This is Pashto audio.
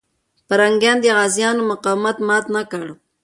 پرنګیان د غازيانو مقاومت مات نه کړ.